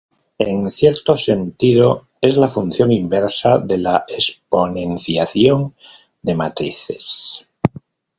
En cierto sentido es la función inversa de la exponenciación de matrices.